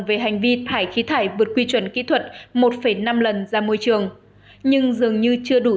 về hành vi thải khí thải vượt quy chuẩn kỹ thuật một năm lần ra môi trường nhưng dường như chưa đủ